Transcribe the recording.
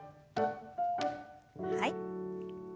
はい。